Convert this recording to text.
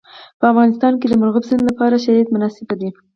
په افغانستان کې د مورغاب سیند لپاره شرایط مناسب دي.